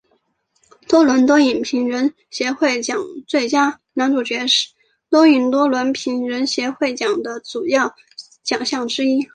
多伦多影评人协会奖最佳男主角是多伦多影评人协会奖的主要奖项之一。